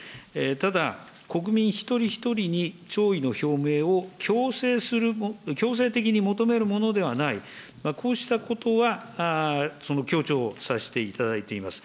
ただ、国民一人一人に弔意の表明を強制する、強制的に求めるものではない、こうしたことはその強調させていただいています。